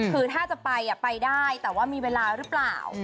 คือถ้าจะไปไปได้แต่ว่ามีเวลาหรือเปล่า